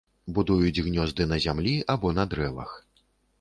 Будуюць гнёзды на зямлі або на дрэвах.